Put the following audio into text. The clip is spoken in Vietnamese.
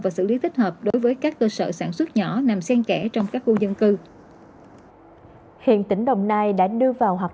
và xử lý thích hợp đối với các cơ sở sản xuất nhỏ nằm xen kẽ trong các khu dân cư